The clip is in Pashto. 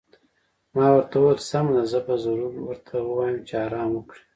ما ورته وویل: سمه ده، زه به ضرور ورته ووایم چې ارام وکړي.